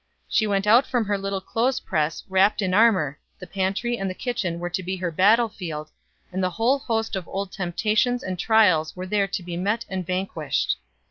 She went out from her little clothes press wrapped in armor the pantry and kitchen were to be her battle field, and a whole host of old temptations and trials were there to be met and vanquished.